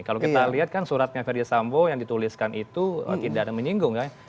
kalau kita lihat kan suratnya ferdis sambo yang dituliskan itu tidak ada menyinggung kan